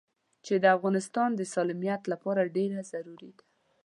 چې د افغانستان د سالميت لپاره ډېره ضروري ده.